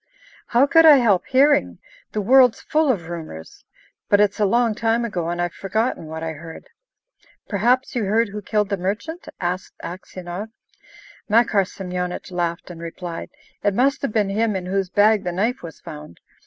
"How could I help hearing? The world's full of rumours. But it's a long time ago, and I've forgotten what I heard." "Perhaps you heard who killed the merchant?" asked Aksionov. Makar Semyonich laughed, and replied: "It must have been him in whose bag the knife was found!